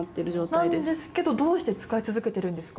なんですけど、どうして使い続けてるんですか？